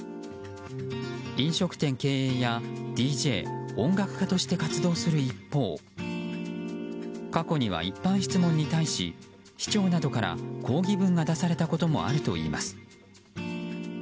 飲食店経営やＤＪ、音楽家として活動する一方過去には一般質問に対し市長などから抗議文が出されたこともあるといいます。